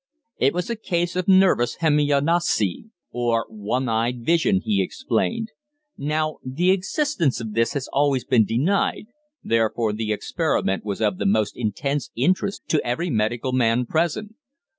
It was a case of nervous "Hémianopsie," or one eyed vision, he explained. Now the existence of this has always been denied, therefore the experiment was of the most intense interest to every medical man present.